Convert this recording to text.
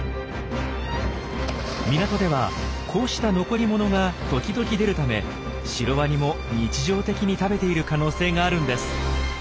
港ではこうした残りものが時々出るためシロワニも日常的に食べている可能性があるんです。